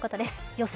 予想